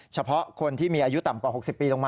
เฉพาะคนที่มีอายุต่ำกว่า๖๐ปีลงมา